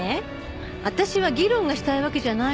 私は議論がしたいわけじゃないの。